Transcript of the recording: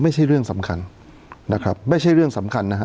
ไม่ใช่เรื่องสำคัญนะครับไม่ใช่เรื่องสำคัญนะฮะ